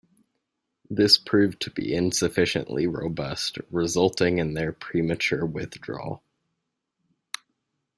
This proved to be insufficiently robust, resulting in their premature withdrawal.